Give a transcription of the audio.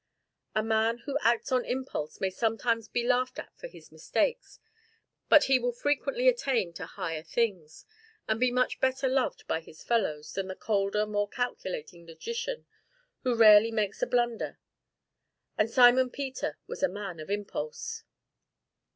A man who acts on impulse may sometimes be laughed at for his mistakes, but he will frequently attain to higher things, and be much better loved by his fellows than the colder, more calculating logician who rarely makes a blunder; and Simon Peter was a man of impulse.